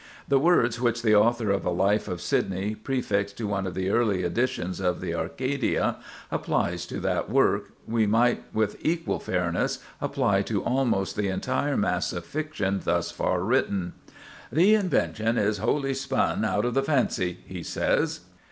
The words which the author of a life of Sidney, prefixed to one of the early editions of the "Arcadia," applies to that work, we might with equal fairness apply to almost the entire mass of fiction thus far written. "The invention is wholly spun out of the fancy," he says.